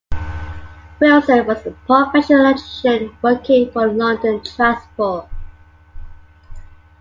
Wilson was a professional electrician working for London Transport.